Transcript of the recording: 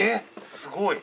すごい。